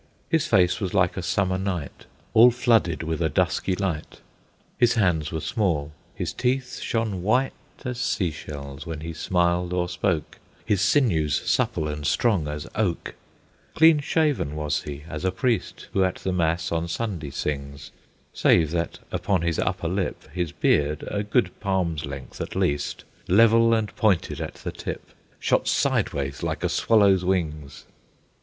His face was like a summer night, All flooded with a dusky light; His hands were small; his teeth shone white As sea shells, when he smiled or spoke; His sinews supple and strong as oak; Clean shaven was he as a priest, Who at the mass on Sunday sings, Save that upon his upper lip His beard, a good palm's length at least, Level and pointed at the tip, Shot sideways, like a swallow's wings.